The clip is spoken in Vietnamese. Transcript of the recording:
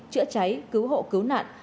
chữa cháy cứu hộ cứu nạn